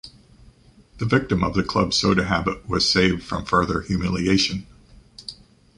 The victim of the club soda habit was saved from further humiliation.